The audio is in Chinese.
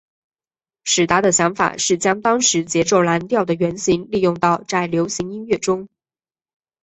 史达的想法是将当时节奏蓝调的原型利用到在流行音乐中。